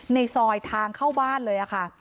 ในซอยทางเข้าบ้านเลยค่ะ